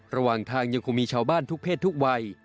ระหว่างทางยังคงมีชาวบ้านทุกเพศทุกวัย